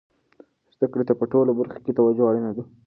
زده کړې ته په ټولو برخو کې توجه اړینه ده.